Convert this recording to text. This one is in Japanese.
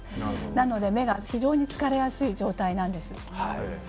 なので、目が非常に疲れやすい状態なんです。